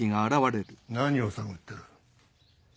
何を探ってる？